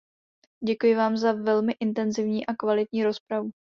Děkuji vám za velmi intenzivní a kvalitní rozpravu.